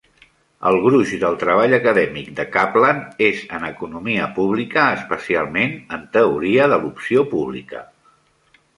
El gruix del treball acadèmic de Caplan és en economia pública, especialment en teoria de l'opció pública.